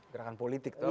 gerakan politik tuh apa ya